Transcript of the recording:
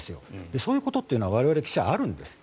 そういうことというのは我々記者、あるんです。